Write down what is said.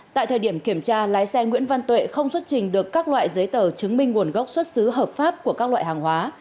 tại thời điểm kiểm tra lái xe nguyễn văn tuệ không xuất trình được các loại giấy tờ chứng minh nguồn gốc xuất xứ hợp pháp của các loại hàng hóa